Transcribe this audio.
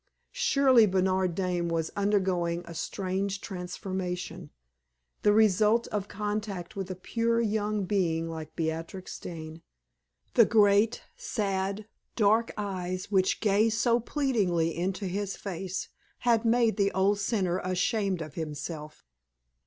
Surely Bernard Dane was undergoing a strange transformation the result of contact with a pure young being like Beatrix Dane; the great, sad, dark eyes which gazed so pleadingly into his face had made the old sinner ashamed of himself.